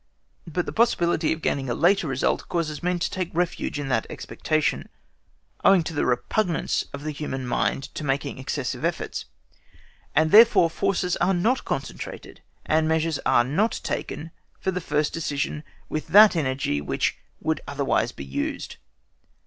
But the possibility of gaining a later result causes men to take refuge in that expectation, owing to the repugnance in the human mind to making excessive efforts; and therefore forces are not concentrated and measures are not taken for the first decision with that energy which would otherwise be used.